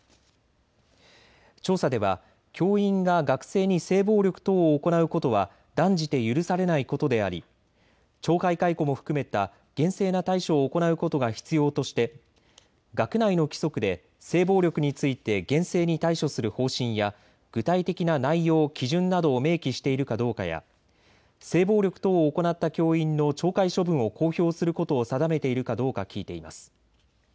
調査では教員が学生に性暴力等を行うことは断じて許されないことであり懲戒解雇も含めた厳正な対処を行うことが必要として学内の規則で性暴力について厳正に対処する方針や具体的な内容、基準などを明記しているかどうかや性暴力等を行った教員の懲戒処分を公表することを定めているかどうか聞いています。